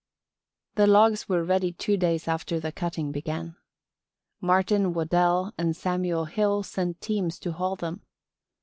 The logs were ready two days after the cutting began. Martin Waddell and Samuel Hill sent teams to haul them.